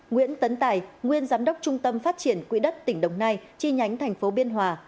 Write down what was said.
nguyễn tấn tài nguyên giám đốc trung tâm phát triển quỹ đất tỉnh đồng nai chi nhánh tp biên hòa